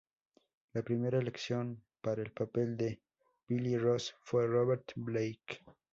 La primera elección para el papel de Billy Rose fue Robert Blake.